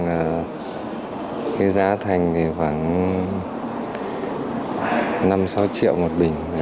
là cái giá thành thì khoảng năm sáu triệu một bình